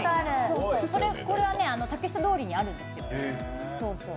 これは竹下通りにあるんですよ。